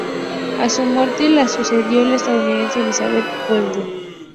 A su muerte, la sucedió la estadounidense Elizabeth Bolden.